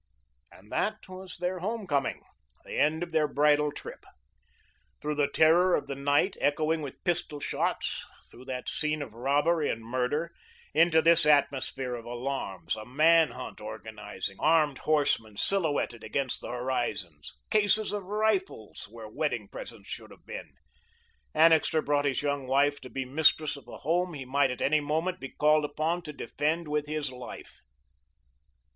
And that was their home coming, the end of their bridal trip. Through the terror of the night, echoing with pistol shots, through that scene of robbery and murder, into this atmosphere of alarms, a man hunt organising, armed horsemen silhouetted against the horizons, cases of rifles where wedding presents should have been, Annixter brought his young wife to be mistress of a home he might at any moment be called upon to defend with his life.